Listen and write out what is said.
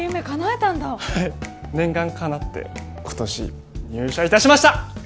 い念願かなって今年入社いたしました！